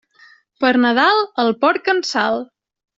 Per Nadal, el porc en sal.